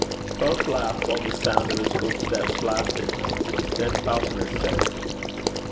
Both laughed while the sound of his footsteps lasted. Then Falconer said, 'My.